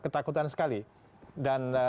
ketakutan sekali dan